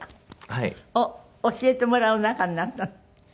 はい。を教えてもらう仲になったって。